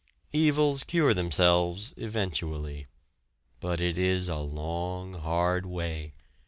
Evils cure themselves eventually. But it is a long hard way.